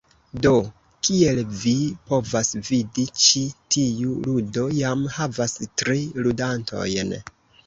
Do, kiel vi povas vidi, ĉi tiu ludo jam havas tri ludantojn.